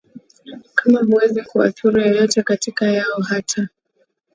kama huwezi kuwadhuru yeyote kati yao Hata